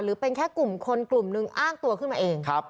หรือเป็นแค่กลุ่มคนกลุ่มหนึ่งอ้าง่ตัวขึ้นมาเองครับ